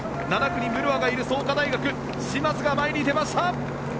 ７区にムルワがいる創価大学嶋津が前に出ました。